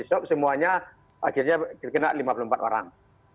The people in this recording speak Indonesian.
semuanya akhirnya kena lima puluh empat orang